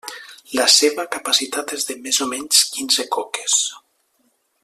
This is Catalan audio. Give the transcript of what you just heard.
La seva capacitat és de més o menys quinze coques.